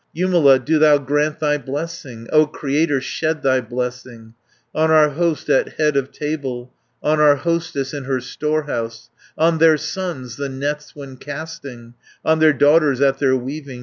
"Jumala, do thou grant thy blessing, O Creator, shed thy blessing, 430 On our host at head of table, On our hostess in her storehouse, On their sons, the nets when casting, On their daughters at their weaving.